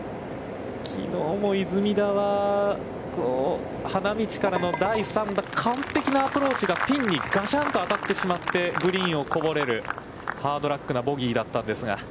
きのうも出水田は花道からの第３打、完璧なアプローチがピンにガシャッと当たってしまってグリーンをこぼれるハードラッグなボギーだったんですが。